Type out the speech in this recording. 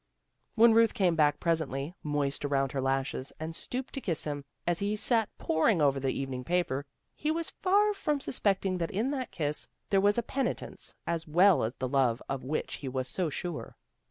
When Ruth came back presently, moist around her lashes, and stooped to kiss him, as he sat poring over the evening paper, he was far from sus pecting that in that kiss there was penitence, as well as the love of which he was so sure.